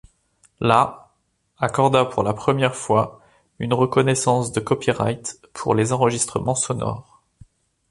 La accorda pour la première fois une reconnaissance de copyright pour les enregistrements sonores.